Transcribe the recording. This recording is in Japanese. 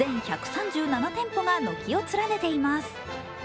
全１３７店舗が軒を連ねています。